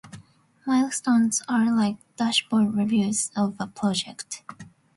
Milestones are like dashboard reviews of a project.